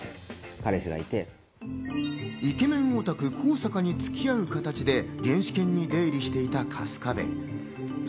イケメンオタク・高坂に付き合う形で現視研に出入りしていた春日部。